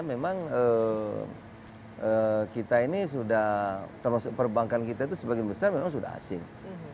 memang kita ini sudah termasuk perbankan kita itu sebagian besar memang sudah asing